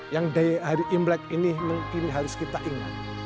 yang dari hari imlek ini mungkin harus kita ingat